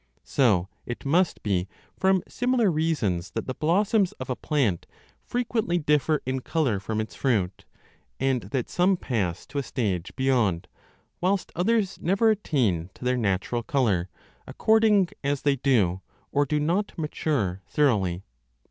So it must be from similar reasons that the blossoms of a plant frequently differ in colour from its 10 fruit, and that some pass to a stage beyond, whilst others never attain to their natural colour, according as they do or do not mature thoroughly.